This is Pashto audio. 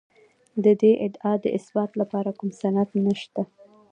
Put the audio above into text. د دې ادعا د اثبات لپاره کوم سند نشته